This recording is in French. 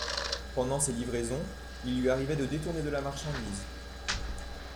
Pendant ses livraisons, il lui arrivait de détourner de la marchandise